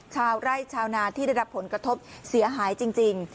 ชาวไร่ชาวนาที่ได้รับผลกระทบเสียหายจริง